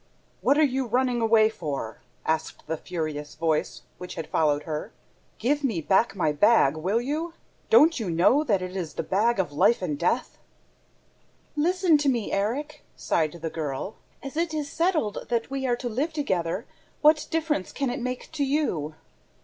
"What are you running away for?" asked the furious voice, which had followed her. "Give me back my bag, will you? Don't you know that it is the bag of life and death?" "Listen to me, Erik," sighed the girl. "As it is settled that we are to live together ... what difference can it make to you?"